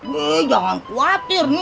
nih jangan khawatir